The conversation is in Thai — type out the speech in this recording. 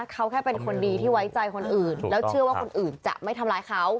เขาแค่เป็นคนดีที่ไว้ใจคนอื่นแล้วเชื่อว่าคนอื่นจะไม่ทำร้ายเขา